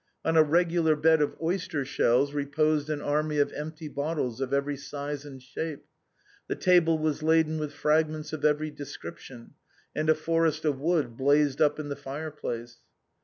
On a regular bed of oyster shells reposed an army of empty bottles of every size and shape. The table was laden with fragments of every description, and a forest of wood blazed in the fireplace.